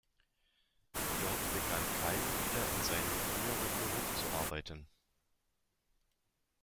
Dort begann Kyle wieder in seinem früheren Beruf zu arbeiten.